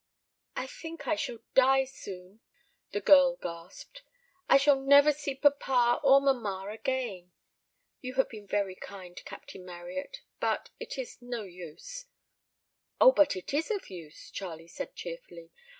"I think I shall die soon," the girl gasped. "I shall never see papa or mamma again. You have been very kind, Captain Marryat, but it is no use." "Oh, but it is of use," Charlie said cheerfully.